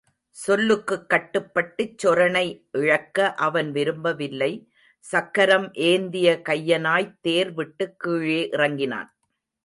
சொல்லுக்குக் கட்டுப்பட்டுச் சொரணை இழக்க அவன் விரும்பவில்லை சக்கரம் ஏந்திய கையனாய்த் தேர் விட்டுக் கீழே இறங்கினான்.